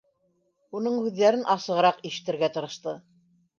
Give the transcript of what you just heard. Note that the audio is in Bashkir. Уның һүҙҙәрен асығыраҡ ишетергә тырышты.